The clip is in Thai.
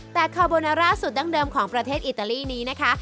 แต่คอโบนาร่าสุดดั้งเดิมของประเทศอิตาลีนี้นะคะ